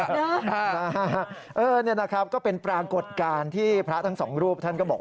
นี่นะครับก็เป็นปรากฏการณ์ที่พระทั้งสองรูปท่านก็บอก